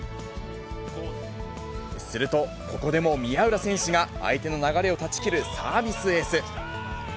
すると、ここでも宮浦選手が相手の流れを断ち切るサービスエース。